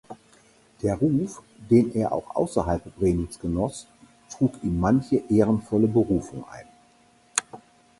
Der Ruf, den er auch außerhalb Bremens genoss, trug ihm manche ehrenvolle Berufung ein.